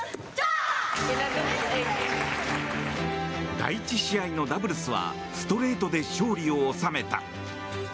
第１試合のダブルスはストレートで勝利を収めた。